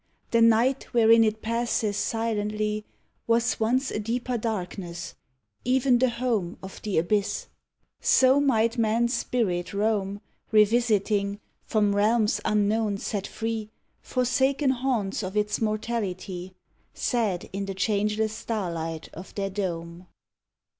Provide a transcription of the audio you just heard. The night wherein it passes silently Was once a deeper darkness even the home Of the abyss. So might man's spirit roam, Revisiting, from realms unknown set free, Forsaken haunts of its mortality, Sad in the changeless starlight of their dome.